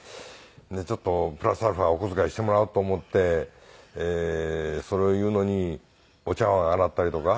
でちょっとプラスアルファお小遣いしてもらおうと思ってそれを言うのにお茶碗洗ったりとか。